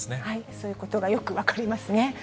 そういうことがよく分かりますね。